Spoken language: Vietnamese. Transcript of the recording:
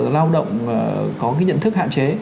lao động có cái nhận thức hạn chế